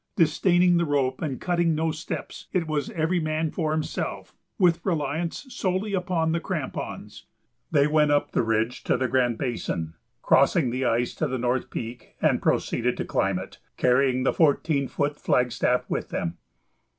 Disdaining the rope and cutting no steps, it was "every man for himself," with reliance solely upon the crampons. They went up the ridge to the Grand Basin, crossed the ice to the North Peak, and proceeded to climb it, carrying the fourteen foot flagstaff with them.